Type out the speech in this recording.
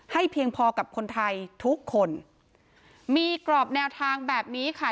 เพียงพอกับคนไทยทุกคนมีกรอบแนวทางแบบนี้ค่ะ